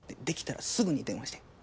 できたらすぐに電話して。